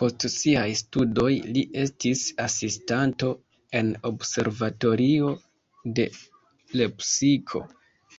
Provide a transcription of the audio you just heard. Post siaj studoj li estis asistanto en observatorio de Lepsiko.